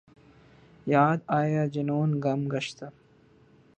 یاد آیا جنون گم گشتہ